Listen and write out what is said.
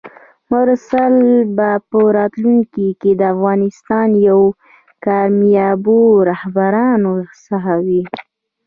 مرسل به په راتلونکي کې د افغانستان یو له کاميابو رهبرانو څخه وي!